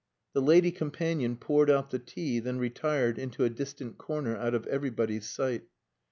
The lady companion poured out the tea, then retired into a distant corner out of everybody's sight.